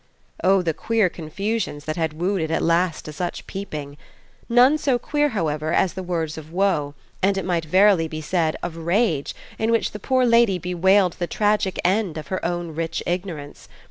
Oh the queer confusions that had wooed it at last to such peeping! None so queer, however, as the words of woe, and it might verily be said of rage, in which the poor lady bewailed the tragic end of her own rich ignorance.